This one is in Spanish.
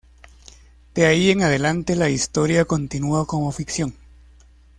De ahí en adelante, la historia continúa como ficción.